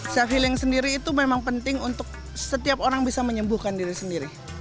self healing sendiri itu memang penting untuk setiap orang bisa menyembuhkan diri sendiri